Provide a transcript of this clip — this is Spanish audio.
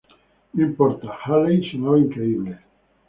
No importa, Haley sonaba increíble.